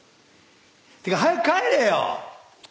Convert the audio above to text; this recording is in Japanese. っていうか早く帰れよ！